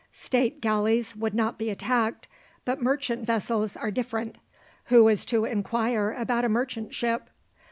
State galleys would not be attacked, but merchant vessels are different. Who is to inquire about a merchant ship!